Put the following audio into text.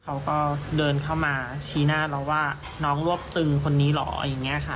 เขาก็เดินเข้ามาชี้หน้าเราว่าน้องรวบตึงคนนี้เหรออย่างนี้ค่ะ